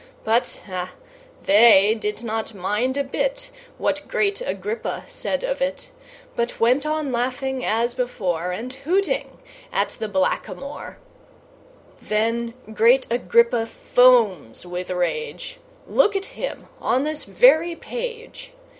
But, ah! they did not mind a bit What great Agrippa said of it; But went on laughing, as before, And hooting at the Black a moor. Then great Agrippa foams with rage Look at him on this very page!